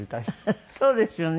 フフそうですよね。